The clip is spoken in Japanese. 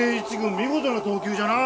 見事な投球じゃな。